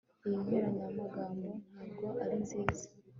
Iyi nkoranyamagambo ntabwo ari nziza